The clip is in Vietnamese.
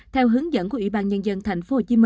theo hướng dẫn của ủy ban nhân dân tp hcm